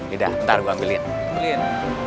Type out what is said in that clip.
yaudah ntar gue ambilin